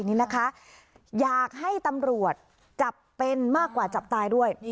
นี่นะคะอยากให้ตำรวจจับเป็นมากกว่าจับตายด้วย